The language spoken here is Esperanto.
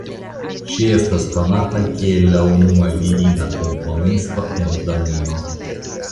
Ŝi estas konata kiel la unua virina komponisto en Danio.